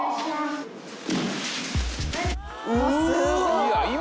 いや今。